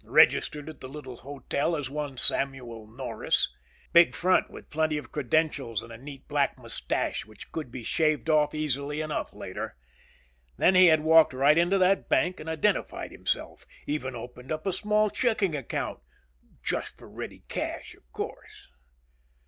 Registered at the little hotel as one "Samuel Norris." Big front with plenty of credentials and a neat black mustache which could be shaved off easily enough later. Then he had walked right into that bank and identified himself. Even opened up a small checking account. "Just for ready cash, of course."